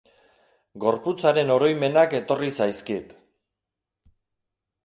Gorputz haren oroimenak etorri zaizkit.